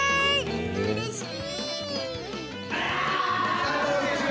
うれしい！